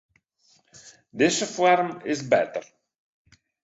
Dizze foarm is better.